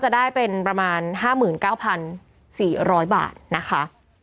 จะได้เป็นประมาณ๕๙๔๐๐บาทนะคะ